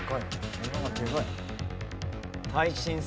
ものがでかいね。